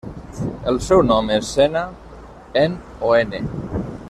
El seu nom és ena, en o ene.